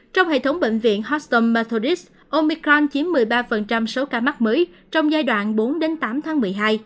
trong hệ thống bệnh viện hostel matodis omicron chiếm một mươi ba số ca mắc mới trong giai đoạn bốn tám tháng một mươi hai